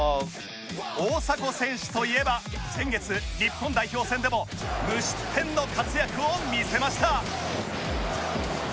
大迫選手といえば先月日本代表戦でも無失点の活躍を見せました